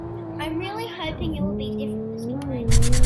I'm really hoping it will be different this time.